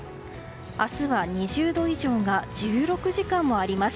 明日は２０度以上が１６時間もあります。